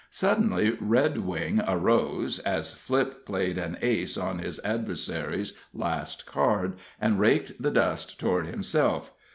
Suddenly Redwing arose, as Flipp played an ace on his adversary's last card, and raked the dust toward himself.